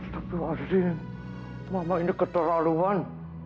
tapi maksudnya mama ini keterlaluan